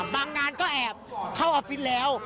มางนาณก็อาบแค่เข้าอฟพิศแล้ว